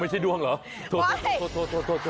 อ้อไม่ใช่ด้วงเหรอโทษ